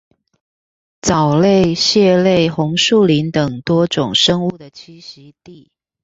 藻類、蟹類、紅樹林等多種生物的棲息地